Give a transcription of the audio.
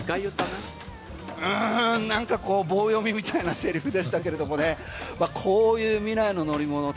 何か棒読みみたいなセリフでしたけれどもねこういう未来の乗り物を